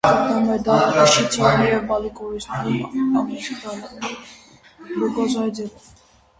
Գտնվում է դառը նշի, ծիրանի և բալի կորիզներում՝ ամիգդալինի գլյուկոզիդի ձևով։